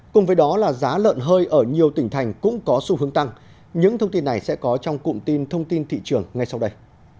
cùng với đó là giá lợn hơi ở nhiều tỉnh thành cũng có xu hướng tăng những thông tin này sẽ có trong cụm tin thông tin thị trường ngay sau đây